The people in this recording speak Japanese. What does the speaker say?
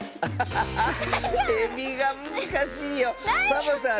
サボさん